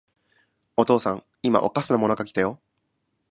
お父さん、いまおかしなものが来たよ。